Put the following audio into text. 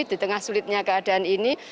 di tengah sulitnya keadaan ini